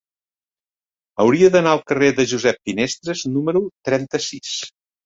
Hauria d'anar al carrer de Josep Finestres número trenta-sis.